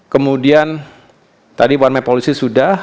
kemudian tadi one map policy sudah